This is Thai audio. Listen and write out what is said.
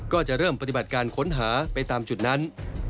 ก็จะเริ่มปฏิบัติการค้นหาไปตามจุดนั้น